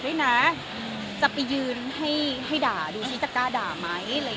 เพื่อนแม่จะไปยืนให้ด่าดูชิคจะกล้าด่ามั้ยอะไรอย่างเนี้ย